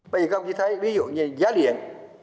bây giờ các ông chỉ thấy ví dụ như giá điện